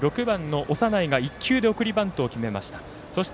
６番の長内が１球で送りバントを決めました。